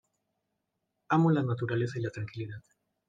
Amo la naturaleza y la tranquilidad.